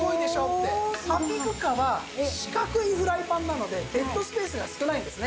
ハッピークッカーは四角いフライパンなのでデッドスペースが少ないんですね。